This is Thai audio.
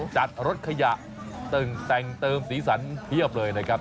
จัดรถขยะแต่งเติมสีสันเพียบเลยนะครับ